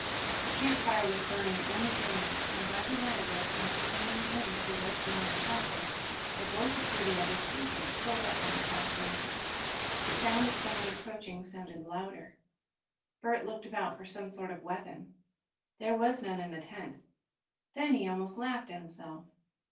The campfire was burning only dimly, and by the light of it, as it came in through the opening of the shelter, the boy could see the others sleeping, curled up on the soft branches. The sound of someone approaching sounded louder. Bert looked about for some sort of weapon. There was none in the tent. Then he almost laughed at himself.